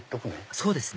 そうですね